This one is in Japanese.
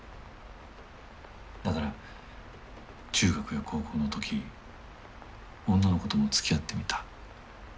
だから中学や高校の時女の子ともつきあってみた。